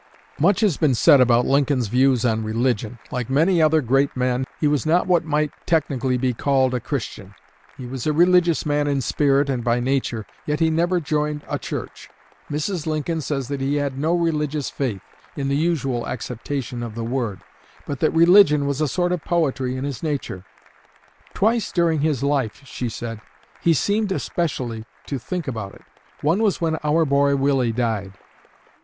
Much has been said about Lincoln's views on religion. Like many other great men, he was not what might technically be called a Christian. He was a religious man in spirit and by nature; yet he never joined a church. Mrs. Lincoln says that he had no religious faith, in the usual acceptation of the word, but that religion was a sort of poetry in his nature. "Twice during his life," she said, "he seemed especially to think about it. Once was when our boy Willie died.